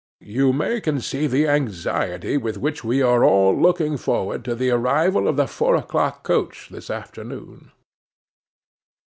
You may conceive the anxiety with which we are all looking forward to the arrival of the four o'clock coach this afternoon.